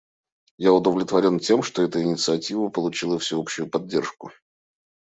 Я удовлетворен тем, что эта инициатива получила всеобщую поддержку.